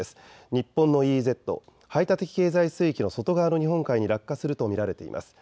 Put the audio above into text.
日本のＥＥＺ・排他的経済水域の外側の日本海に落下すると見られています。